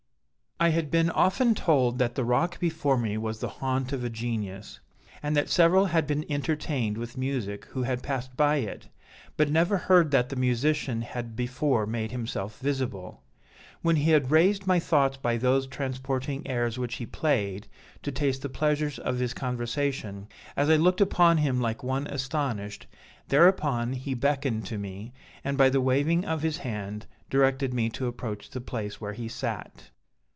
"I had been often told that the rock before me was the haunt of a genius; and that several had been entertained with music who had passed by it, but never heard that the musician had before made himself visible. When he had raised my thoughts by those transporting airs which he played, to taste the pleasures of his conversation, as I looked upon him like one astonished, thereupon he beckoned to me and, by the waving of his hand, directed me to approach the place where he sat.